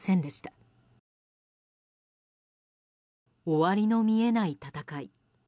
終わりの見えない戦い。